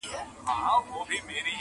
سمدستي یې پلرنی عادت په ځان سو؛